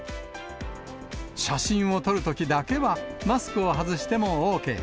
写真を撮るときだけはマスクを外してもＯＫ。